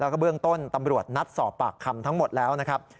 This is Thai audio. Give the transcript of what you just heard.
แล้วก็เบื้องต้นตำรวจนัดสอบปากคำทั้งหมดแล้วนะครับ